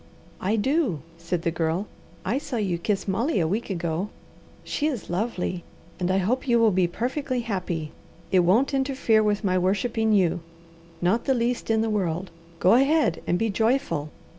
"I do!" said the Girl. "I saw you kiss Molly a week ago. She is lovely, and I hope you will be perfectly happy. It won't interfere with my worshipping you; not the least in the world. Go ahead and be joyful!"